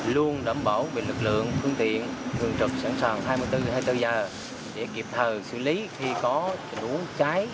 luôn đảm bảo về lực lượng phương tiện thường trực sẵn sàng hai mươi bốn h hai mươi bốn h để kịp thời xử lý khi có trình huống cháy